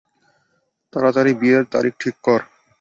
তাড়াতাড়ি বিয়ের তারিখ ঠিক কর।